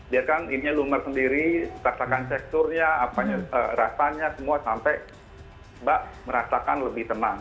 biarkan ini lumar sendiri rasakan sekturnya rasanya semua sampai mbak merasakan lebih tenang